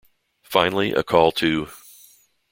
Finally, a call to .